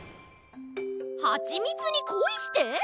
「はちみつにコイして」！？